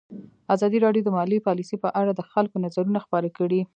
ازادي راډیو د مالي پالیسي په اړه د خلکو نظرونه خپاره کړي.